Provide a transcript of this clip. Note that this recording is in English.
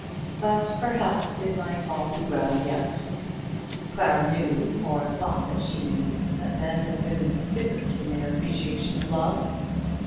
But perhaps it might all be well yet. Clara knew, or thought that she knew, that men and women differed in their appreciation of love.